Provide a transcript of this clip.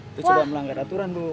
itu sudah melanggar aturan bu